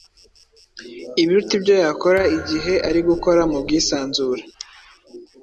ibiruta ibyo yakora igihe ari gukora mu bwisanzure.